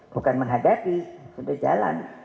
bukan menghadapi sudah jalan